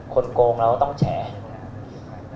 คนโกงเราก็ต้องแชร์